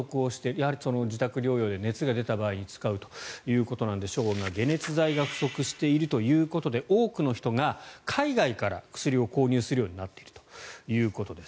やはり自宅療養で熱が出た場合に使うということでしょうが解熱剤が不足しているということで多くの人が海外から薬を購入するようになっているということです。